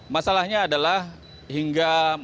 masalahnya adalah hingga malam hingga dini hari tadi